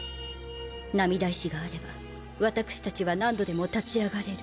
涙石があれば私たちは何度でも立ち上がれる。